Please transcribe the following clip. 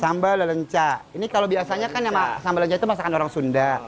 sambal lelenca ini kalau biasanya kan sambal lenca itu masakan orang sunda